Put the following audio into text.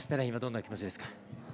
今、どんな気持ちですか？